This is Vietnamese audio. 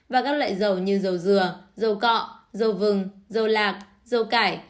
và các loại dầu như dầu dừa dầu cọ dầu vừng dầu lạc dầu cải